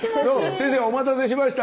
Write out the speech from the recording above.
先生お待たせしました。